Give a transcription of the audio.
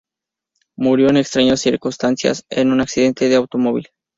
Murió en extrañas circunstancias en un accidente de automóvil.